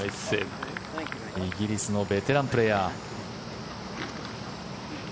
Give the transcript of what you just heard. イギリスのベテランプレーヤー。